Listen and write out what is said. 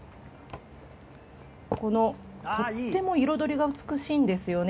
このとっても彩りが美しいんですよね。